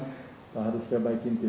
kita harus kebaikin tim